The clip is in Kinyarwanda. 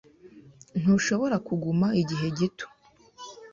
Ntushobora kuguma igihe gito?